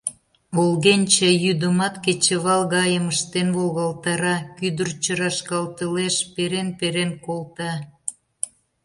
Волгенче йӱдымат кечывал гайым ыштен волгалтара, кӱдырчӧ рашкалтылеш, перен-перен колта.